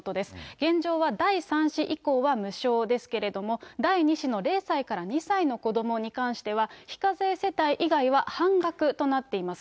現状は第３子以降は無償ですけれども、第２子の０歳から２歳の子どもに関しては、非課税世帯以外は半額となっています。